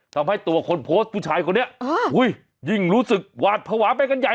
ทำให้ตัวคนโพสต์ผู้ชายคนนี้ยิ่งรู้สึกหวาดภาวะไปกันใหญ่